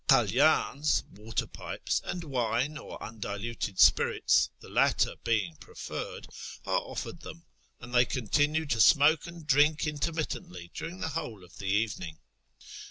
Kalyans (water pipes) and wine, or undiluted spirits (the latter being preferred), are offered them, and they continue to smoke and drink intermittently during the whole of the evening.